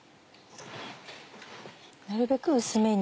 なるべく薄めに。